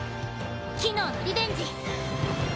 昨日のリベンジ！